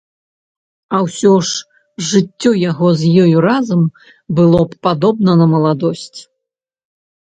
А ўсё ж жыццё яго з ёю разам было б падобна на маладосць.